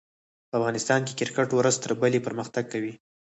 په افغانستان کښي کرکټ ورځ تر بلي پرمختګ کوي.